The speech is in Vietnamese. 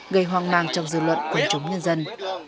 gây hoang nang trong dư luận của chúng nhân dân